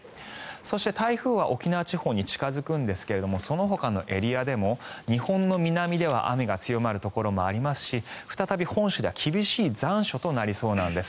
そして、台風は沖縄地方に近付くんですがそのほかのエリアでも日本の南では雨が強まるところもありますし再び本州では厳しい残暑となりそうなんです。